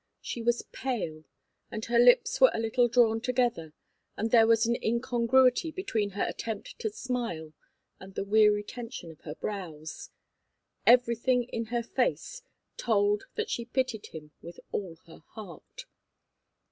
She was pale, and her lips were a little drawn together, and there was an incongruity between her attempt to smile and the weary tension of the brows. Everything in her face told that she pitied him with all her heart.